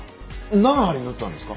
何針縫ったんですか？